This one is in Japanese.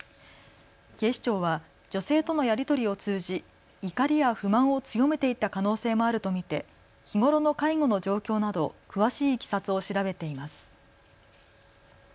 警視庁は女性とのやり取りを通じ怒りや不満を強めていった可能性もあると見て日頃の介護の状況など詳しいいきさつを調べています。